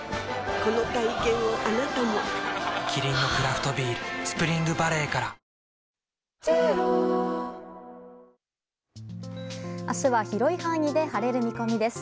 この体験をあなたもキリンのクラフトビール「スプリングバレー」から明日は広い範囲で晴れる見込みです。